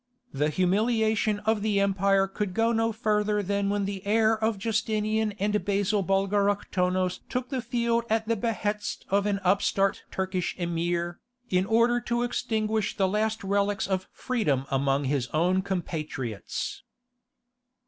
The humiliation of the empire could go no further than when the heir of Justinian and Basil Bulgaroktonos took the field at the behest of an upstart Turkish Emir, in order to extinguish the last relics of freedom among his own compatriots.